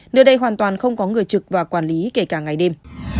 nơi đây hoàn toàn không có người trực và quản lý kể cả ngày đêm